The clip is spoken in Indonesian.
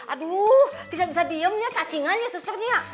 aduh tidak bisa diem ya cacingannya sisternya